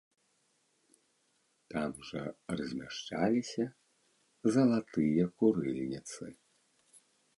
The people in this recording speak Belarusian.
Там жа размяшчаліся залатыя курыльніцы.